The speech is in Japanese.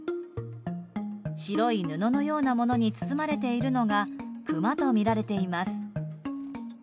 白い布のようなものに包まれているのがクマとみられています。